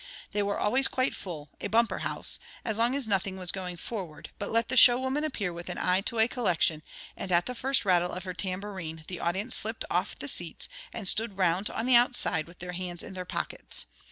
They were always quite full—a bumper house—as long as nothing was going forward; but let the show woman appear with an eye to a collection, and at the first rattle of her tambourine the audience slipped off the seats, and stood round on the outside with their hands in their pockets.